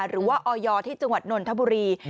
หรือว่าออยที่จังหวัดนนทบุรี